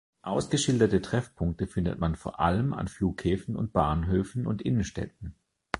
Ausgeschilderte Treffpunkte findet man vor allem an Flughäfen und Bahnhöfen und Innenstädten.